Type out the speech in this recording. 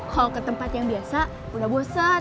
kalau ke tempat yang biasa udah bosan